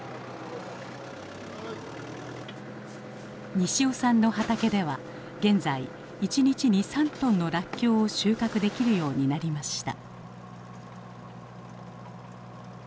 西尾さんの畑では現在一日に３トンのらっきょうを収穫できるようになりました。